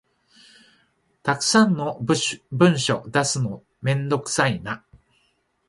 たくさんの文書出すのめんどくさいな